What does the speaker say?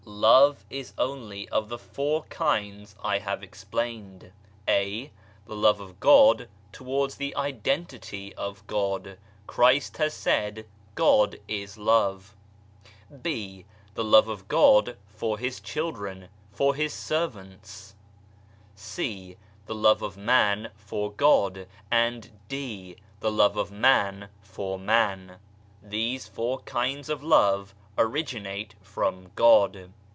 Love is only of the four kinds that I have explained, (a) The love of God towards the identity of God. Christ has said God is Love, (b) The love of God for His children for His servants, (c) The love of man for God and (d) the love of man for man. These four kinds of love originate from God.